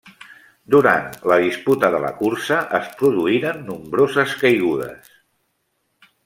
Durant la disputa de la cursa es produïren nombroses caigudes.